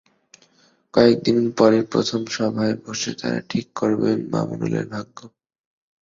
কয়েক দিন পরই প্রথম সভায় বসে তাঁরা ঠিক করবেন মামুনুলের ভাগ্য।